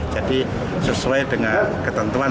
jadi sesuai dengan ketentuan